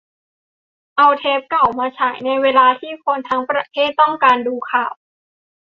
เอาเทปเก่ามาฉาย ในเวลาที่คนทั้งประเทศต้องการดูข่าว